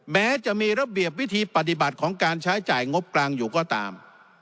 แม้จะมีระเบียบวิธีปฏิบัติของการใช้จ่ายงบกลางอยู่ก็ตาม